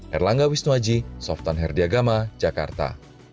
erlangga wisnuaji softan herdiagama jakarta